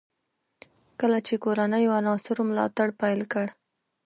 کله چې کورنیو عناصرو ملاتړ پیل کړ.